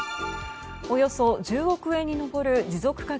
およそ１０億円に上る持続化